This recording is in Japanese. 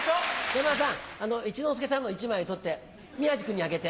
山田さん一之輔さんの１枚取って宮治君にあげて。